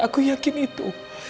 aku yakin itu